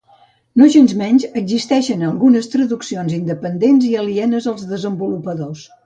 Nogensmenys, existeixen algunes traduccions independents i alienes als desenvolupadors.